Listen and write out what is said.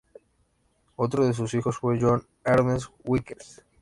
Otro de sus hijos fue John Ernest Weekes.